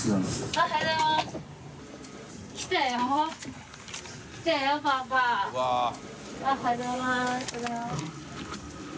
おはようございます。